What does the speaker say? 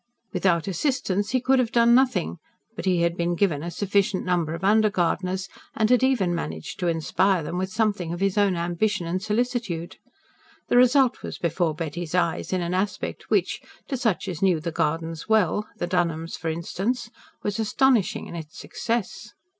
Without assistants he could have done nothing, but he had been given a sufficient number of under gardeners, and had even managed to inspire them with something of his own ambition and solicitude. The result was before Betty's eyes in an aspect which, to such as knew the gardens well, the Dunholms, for instance, was astonishing in its success.